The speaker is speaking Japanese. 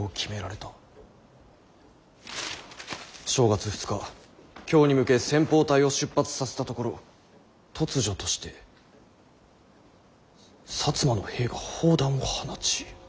正月２日京に向け先鋒隊を出発させたところ突如として摩の兵が砲弾を放ち」。